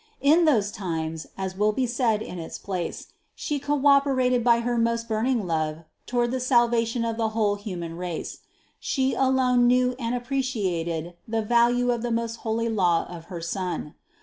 In those times, as will be said in its place, She cooperated by her most burning love toward the salvation of the whole human race. She alone knew and appreciated the value of the most holy law of her Son.